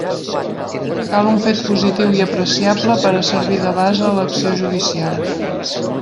Cal un fet positiu i apreciable per a servir de base a l'acció judicial.